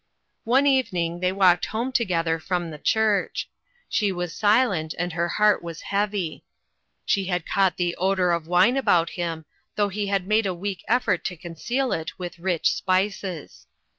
One evening they walked home together from the church. She was silent, and her heart was heavy. She had caught the odor of wine about him, though he had made a 322 INTERRUPTED. weak effort to conceal it with rich spioes.